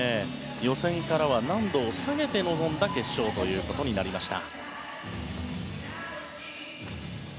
予選からは難度を下げて臨んだ決勝となりました。